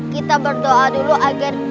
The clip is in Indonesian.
kita berdoa dulu agar